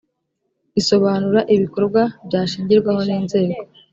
isobanura ibikorwa byashingirwaho n inzego